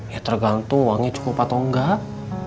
ya tergantung uangnya cukup atau enggak